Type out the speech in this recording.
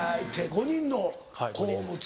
５人の子を持つ。